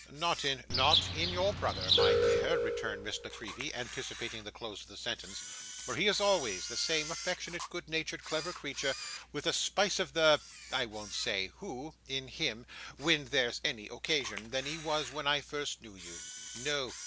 'Not in ' 'Not in your brother, my dear,' returned Miss La Creevy, anticipating the close of the sentence, 'for he is always the same affectionate good natured clever creature, with a spice of the I won't say who in him when there's any occasion, that he was when I first knew you. No.